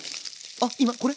あっ今これ？